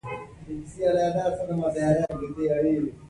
لویې موخې په کوچنیو ګامونو ترلاسه کېږي.